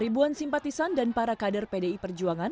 ribuan simpatisan dan para kader pdi perjuangan